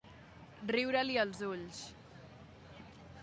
Riure-li els ulls.